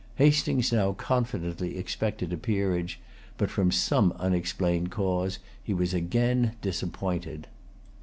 Hastings now confidently expected a peerage; but, from some unexplained cause, he was again disappointed.